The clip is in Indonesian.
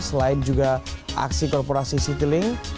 selain juga aksi korporasi citylink